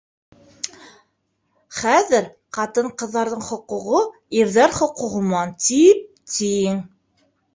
Хәҙер ҡатын-ҡыҙҙарҙың хоҡуғы ирҙәр хоҡуғы менән тип-тиң.